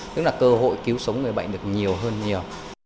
tức là cơ hội cứu sống người bệnh được nhiều hơn nhiều